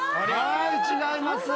違います。